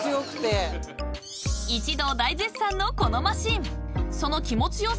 ［一同大絶賛のこのマシン］